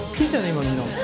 今みんな。